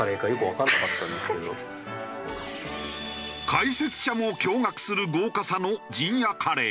解説者も驚愕する豪華さの陣屋カレー。